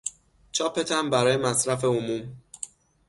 چاپ تمبر برای مصرف عموم